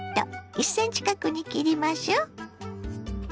１ｃｍ角に切りましょ。